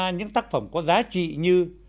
những tác phẩm có giá trị như